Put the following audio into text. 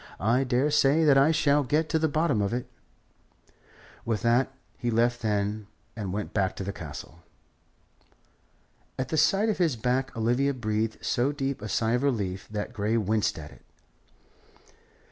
"I daresay that I shall get to the bottom of it." With that he left them and went back into the Castle. At the sight of his back Olivia breathed so deep a sigh of relief that Grey winced at it.